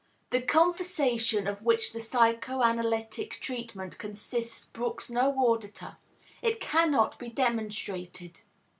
The conversation of which the psychoanalytic treatment consists brooks no auditor, it cannot be demonstrated.